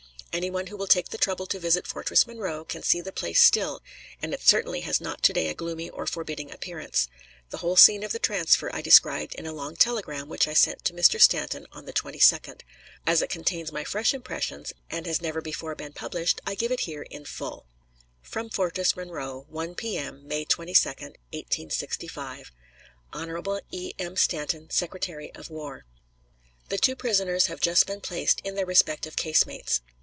Any one who will take the trouble to visit Fortress Monroe can see the place still, and it certainly has not to day a gloomy or forbidding appearance. The whole scene of the transfer I described in a long telegram which I sent to Mr. Stanton on the 22d. As it contains my fresh impressions, and has never before been published, I give it here in full: From FORTRESS MONROE, 1 P.M., May 22, 1865. Hon. E. M. STANTON, Secretary of War: The two prisoners have just been placed in their respective casemates.